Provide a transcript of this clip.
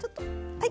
はい。